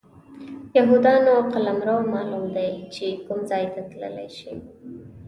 د یهودانو قلمرو معلوم دی چې کوم ځای ته تللی شي.